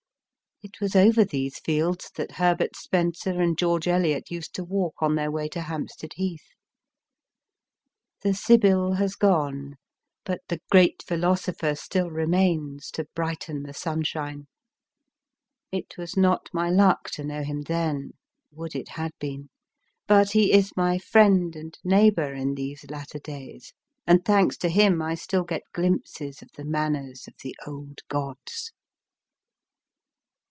It was over these fields that Herbert Spencer and George Eliot used to walk on their way to Hampstead Heath. The Sibyl has gone, but the great Philosopher still remains, to brighten the sunshine. It was not my luck to know him then would it had been ! but he is my friend and neighbour in these latter days, and, thanks to him, I still get glimpses of the manners of the old gods.